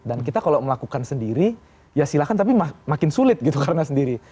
dan kita kalau melakukan sendiri ya silahkan tapi makin sulit gitu karena sendiri